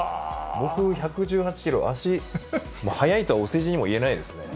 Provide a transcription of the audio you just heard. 僕１１８キロ、足速いとお世辞には言えないですね。